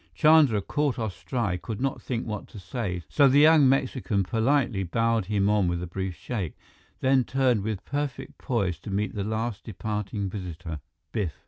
Chandra, caught off stride, could not think what to say, so the young Mexican politely bowed him on with a brief shake; then turned with perfect poise to meet the last departing visitor, Biff.